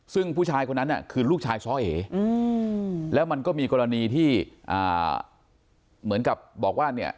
ซึ่งผู้ชายคนนั้นน่ะคือลูกชายซ้อเอแล้วมันก็มีกรณีที่เหมือนกับบอกว่าเนี่ย